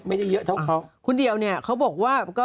ไม่ได้เยอะเท่าเขา